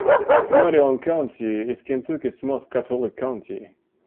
Marion County is Kentucky's most Catholic county.